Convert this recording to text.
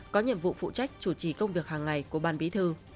có nhiệm vụ phụ trách chủ trì công việc hàng ngày của ban bí thư